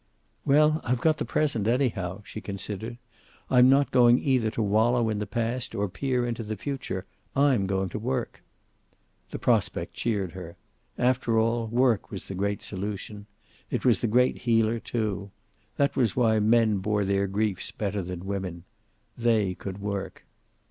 "Well, I've got the present, anyhow," she considered. "I'm not going either to wallow in the past or peer into the future. I'm going to work." The prospect cheered her. After all, work was the great solution. It was the great healer, too. That was why men bore their griefs better than women. They could work.